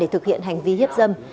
để thực hiện hành vi hiếp dâm